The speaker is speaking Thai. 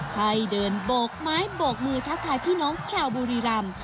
ให้เดินโบกไม้โบกมือทักทายพี่น้องชาวบุรีรำ